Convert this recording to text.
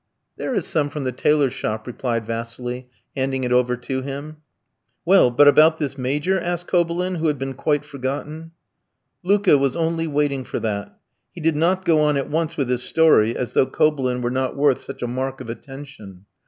"There is some from the tailor's shop," replied Vasili, handing it over to him. "Well, but about this Major?" said Kobylin, who had been quite forgotten. Luka was only waiting for that. He did not go on at once with his story, as though Kobylin were not worth such a mark of attention.